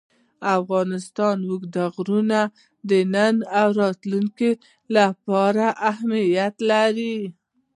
افغانستان کې اوږده غرونه د نن او راتلونکي لپاره ارزښت لري.